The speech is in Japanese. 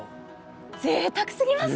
ぜいたくすぎますね。